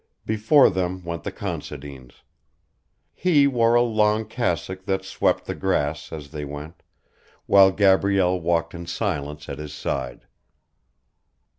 Before them went the Considines. He wore a long cassock that swept the grass, as they went, while Gabrielle walked in silence at his side.